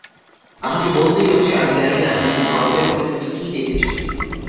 আমাকে বলতেই হচ্ছেঃ আমি জানি না মিস ক্রসের মধ্যে তুমি কী দেখেছো।